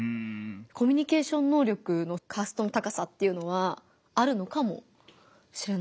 コミュニケーション能力のカーストの高さっていうのはあるのかもしれないですね。